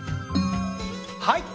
はい。